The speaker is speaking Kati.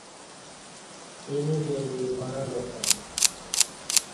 ا یمو جائ دی وعں لاسعں۔